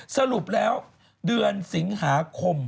สรุปแล้วเดือนสิงหาคม